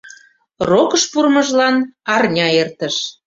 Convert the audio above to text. Рокыш пурымыжлан арня эртыш.